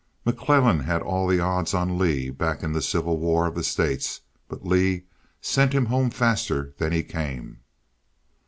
"McClellan had all the odds on Lee back in the Civil War of the States but Lee sent him home faster than he came."